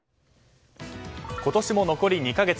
今年も残り２か月。